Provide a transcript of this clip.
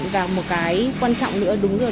và một cái quan trọng nữa đúng rồi